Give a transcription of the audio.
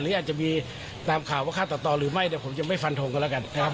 หรืออาจจะมีตามข่าวว่าฆ่าตัดต่อหรือไม่เดี๋ยวผมจะไม่ฟันทงกันแล้วกันนะครับ